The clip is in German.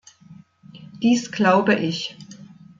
Dies glaube ich.